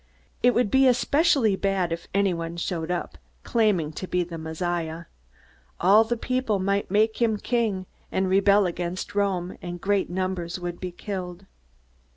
It would be especially bad if anyone showed up claiming to be the Messiah. All the people might make him king, and rebel against Rome, and great numbers would be killed.